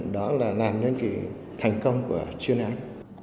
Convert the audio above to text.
đó là làm nhân trị thành công của chuyên án